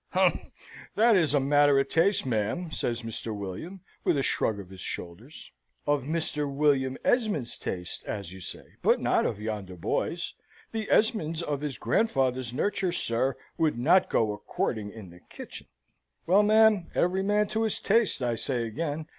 "Humph! That is a matter of taste, ma'am," says Mr. William, with a shrug of his shoulders. "Of Mr. William Esmond's taste, as you say; but not of yonder boy's. The Esmonds of his grandfather's nurture, sir, would not go a courting in the kitchen." "Well, ma'am, every man to his taste, I say again.